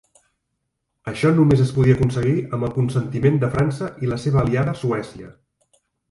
Això només es podia aconseguir amb el consentiment de França i la seva aliada Suècia.